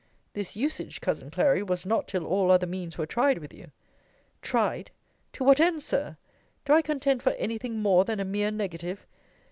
This usage, cousin Clary, was not till all other means were tried with you. Tried! to what end, Sir? Do I contend for any thing more than a mere negative?